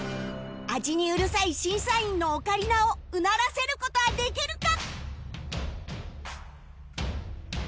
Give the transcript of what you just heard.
味にうるさい審査員のオカリナをうならせる事はできるか！？